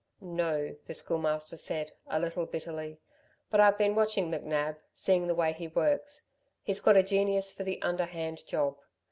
"No," the Schoolmaster said, a little bitterly. "But I've been watching McNab seeing the way he works. He's got a genius for the underhand job.